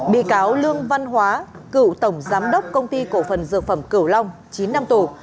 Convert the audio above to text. bị cáo lương văn hóa cựu tổng giám đốc công ty cổ phần dược phẩm cửu long chín năm tù